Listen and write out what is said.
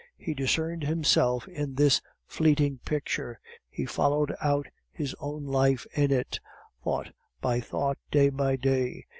He discerned himself in this fleeting picture; he followed out his own life in it, thought by thought, day after day.